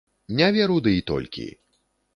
Не веру ды і толькі!